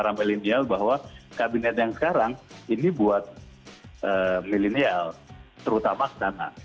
dan para milenial bahwa kabinet yang sekarang ini buat milenial terutama sedang